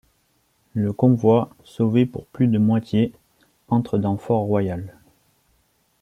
Le convoi, sauvé pour plus de moitié, entre dans Fort Royal.